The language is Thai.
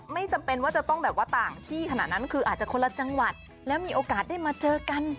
ไม่จำเป็นว่าจะต้องแบบว่าต่างที่ขนาดนั้นคืออาจจะคนละจังหวัดแล้วมีโอกาสได้มาเจอกัน